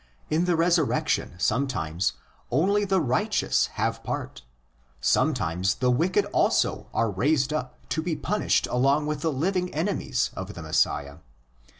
In the resurrection sometimes only the righteous have part; sometimes the wicked also are raised up to be punished along with the living enemies of the Messiah.